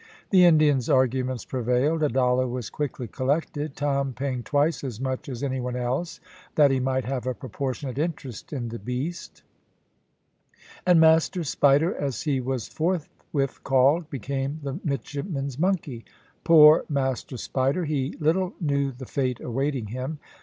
The Indian's arguments prevailed. A dollar was quickly collected, Tom paying twice as much as any one else, that he might have a proportionate interest in the beast; and Master Spider, as he was forthwith called, became the midshipmen's monkey. Poor Master Spider, he little knew the fate awaiting him.